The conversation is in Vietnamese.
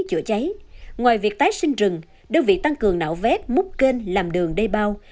chữa cháy ngoài việc tái sinh rừng đơn vị tăng cường nạo vét múc kênh làm đường đầy bao